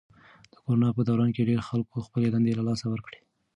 د کرونا په دوران کې ډېری خلکو خپلې دندې له لاسه ورکړې.